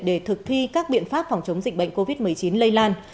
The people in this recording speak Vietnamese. để thực thi các biện pháp phòng chống dịch bệnh covid một mươi chín lây lan